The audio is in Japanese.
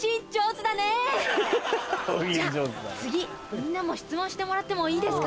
みんなも質問してもらってもいいですか？